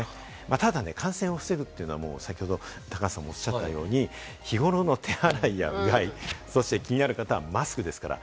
ただ感染を防ぐというのは、先ほど高橋さんもおっしゃったように、日頃の手洗いや、うがい、それから気になる方はマスクですから。